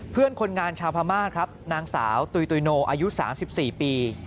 เพื่อนคนงานชาวพม่าครับนางสาวตุยตุยโนอายุ๓๔ปี